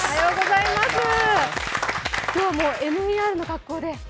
今日もＭＥＲの格好で。